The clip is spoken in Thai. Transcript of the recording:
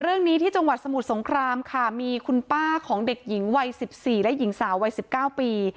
เรื่องนี้ที่จังหวัดสมุทรสงครามค่ะมีคุณป้าของเด็กหญิงวัย๑๔และหญิงสาววัย๑๙ปี